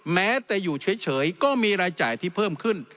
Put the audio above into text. แม้แต่อยู่เฉยก็มีรายจ่ายที่เพิ่มขึ้น